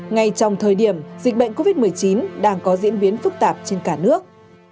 ngay trong thời điểm dịch bệnh covid một mươi chín đang có diễn biến phức tạp trên cả nước